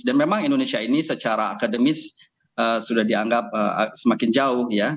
dan memang indonesia ini secara akademis sudah dianggap semakin jauh ya